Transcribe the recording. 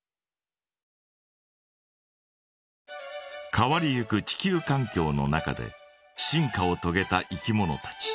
変わりゆく地球かん境の中で進化をとげたいきものたち。